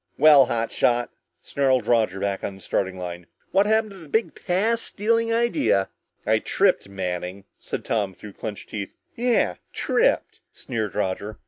"Well, hot shot," snarled Roger back on the starting line, "what happened to the big pass stealing idea?" "I tripped, Manning," said Tom through clenched teeth. "Yeah! Tripped!" sneered Roger.